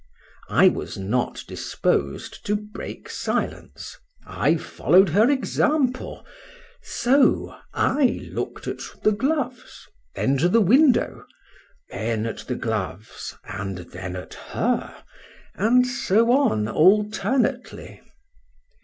I was not disposed to break silence:—I followed her example: so, I looked at the gloves, then to the window, then at the gloves, and then at her,—and so on alternately.